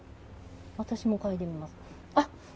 私も嗅いでみます。